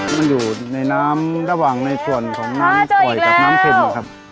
มันอยู่ในน้ำระหว่างในส่วนของน้ำปล่อยกับน้ำเข็มครับ